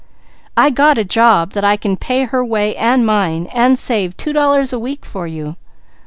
I got a job that I can pay her way and mine, and save two dollars a week for you.